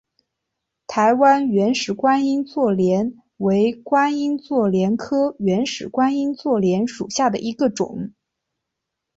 台湾原始观音座莲为观音座莲科原始观音座莲属下的一个种。